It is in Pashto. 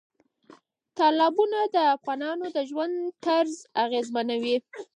تالابونه د افغانانو د ژوند طرز اغېزمنوي.